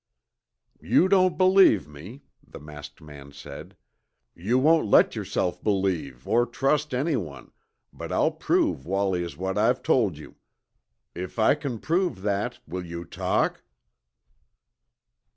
"You don't believe me," the masked man said, "you won't let yourself believe, or trust anyone, but I'll prove Wallie is what I've told you. If I can prove that, will you talk?"